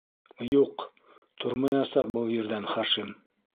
Юҡ, тормаясаҡ был ерҙән Хашим.